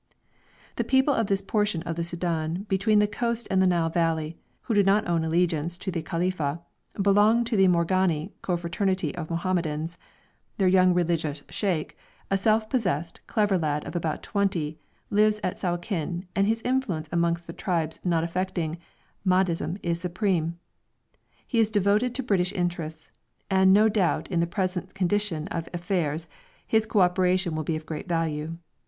The people of this portion of the Soudan between the coast and the Nile Valley, who do not own allegiance to the Khalifa, belong to the Morghani confraternity of Mohammedans; their young religious sheikh, a self possessed, clever lad of about twenty, lives at Sawakin, and his influence amongst the tribes not affecting Mahdism is supreme. He is devoted to British interests, and no doubt in the present condition of affairs his co operation will be of great value.